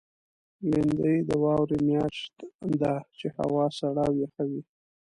لېندۍ د واورې میاشت ده، چې هوا سړه او یخه وي.